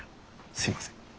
すいません。